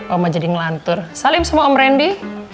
om ma jadi ngelantur salim sama om randi